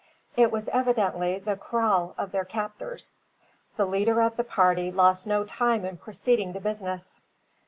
It was evidently the kraal of their captors. The leader of the party lost no time in proceeding to business.